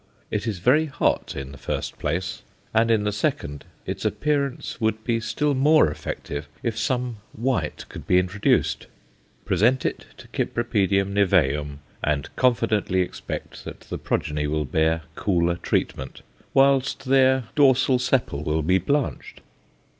It is very "hot" in the first place, and, in the second, its appearance would be still more effective if some white could be introduced; present it to Cyp. niveum and confidently expect that the progeny will bear cooler treatment, whilst their "dorsal sepal" will be blanched.